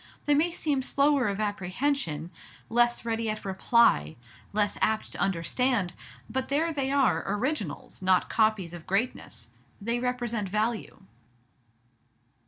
They may seem slower of apprehension, less ready at reply, less apt to understand; but there they are, Originals, not Copies of greatness. They represent value."